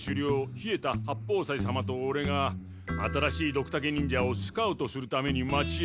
稗田八方斎様とオレが新しいドクタケ忍者をスカウトするために町へ。